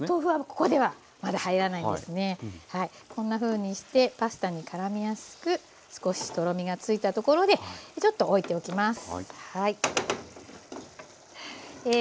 こんなふうにしてパスタにからみやすく少しとろみがついたところでちょっとおいておきます。